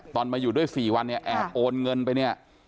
ตอนมาอยู่ด้วย๔วันแอบโอนเงินไป